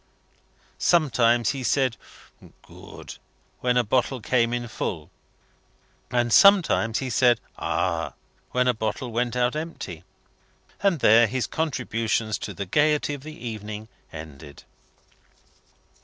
Sometimes he said "Good!" when a bottle came in full; and sometimes he said "Ah!" when a bottle went out empty and there his contributions to the gaiety of the evening ended.